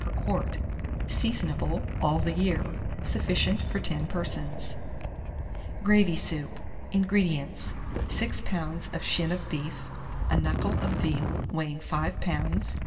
per quart. Seasonable all the year. Sufficient for 10 persons. GRAVY SOUP. 169. INGREDIENTS. 6 lbs. of shin of beef, a knuckle of veal weighing 5 lbs.